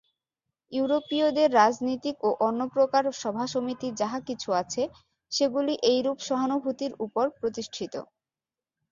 ইউরোপীয়দের রাজনীতিক ও অন্যপ্রকার সভাসমিতি যাহা কিছু আছে, সেগুলি এইরূপ সহানুভূতির উপর প্রতিষ্ঠিত।